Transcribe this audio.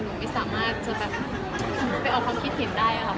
หนูไม่สามารถจะแบบไปออกความคิดเห็นได้ค่ะ